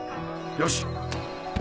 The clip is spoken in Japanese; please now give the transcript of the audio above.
よし。